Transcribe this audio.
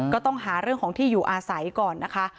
ก็ต้องหาเรื่องของที่อยู่อาศัยก่อนนะคะ